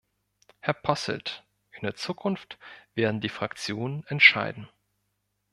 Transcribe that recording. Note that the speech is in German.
Herr Posselt, in der Zukunft werden die Fraktionen entscheiden.